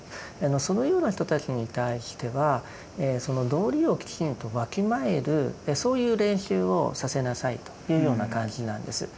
そのような人たちに対しては道理をきちんとわきまえるそういう練習をさせなさいというような感じなんです。